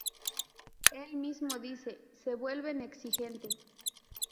El mismo dice: “¡Se vuelven exigentes!